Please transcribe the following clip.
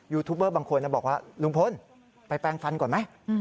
ทูบเบอร์บางคนบอกว่าลุงพลไปแปลงฟันก่อนไหม